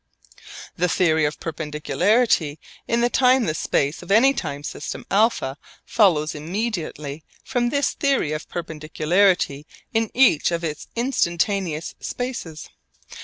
The theory of perpendicularity in the timeless space of any time system α follows immediately from this theory of perpendicularity in each of its instantaneous spaces.